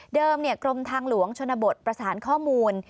เดิมเนี่ยกรมทางหลวงชนบทประสานข้อมูล